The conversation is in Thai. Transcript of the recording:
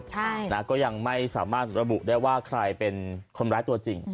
ใช่นะก็ยังไม่สามารถระบุได้ว่าใครเป็นคนร้ายตัวจริง